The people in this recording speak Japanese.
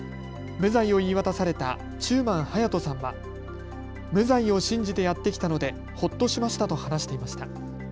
無罪を言い渡された中馬隼人さんは無罪を信じてやってきたのでほっとしましたと話していました。